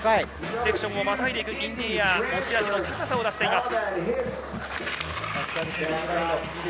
セクションをまたいでいくインディエア持ち味の高さを出しています。